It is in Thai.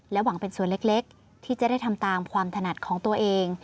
หวังเป็นส่วนเล็กที่จะได้ทำตามความถนัดของตัวเอง